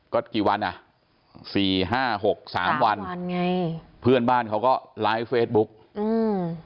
ก็สี่ห้าหกสามวันเพื่อนบ้านเขาก็ไลฟ์เฟสบุ๊คอืม